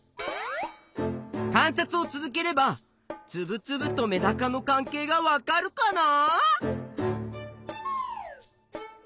観察を続ければつぶつぶとメダカの関係がわかるかな？